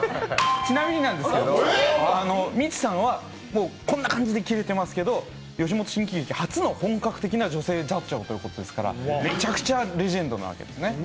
ちなみになんですけど未知さんはこんな感じでやってますけれども、吉本新喜劇初の本格的女性座長ですから。めちゃくちゃレジェンドなわけですね。